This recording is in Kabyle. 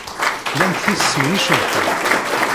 Llant tissmin icebḥen.